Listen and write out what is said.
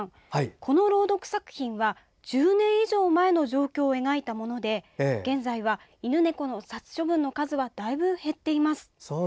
この朗読作品は１０年以上前の状況を描いたもので現在は犬猫殺処分の数はだいぶ減っています。